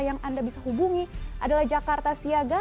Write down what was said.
yang anda bisa hubungi adalah jakarta siaga